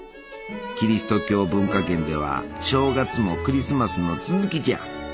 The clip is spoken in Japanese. キリスト教文化圏では正月もクリスマスの続きじゃ。